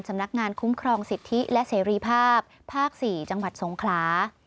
สำนักงานคุ้มครองสิทธิและเสรีภาพภาค๔จังหวัดสงขลา